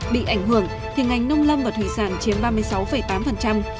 bị ảnh hưởng thì ngành nông lâm và thủy sản chiếm ba mươi sáu tám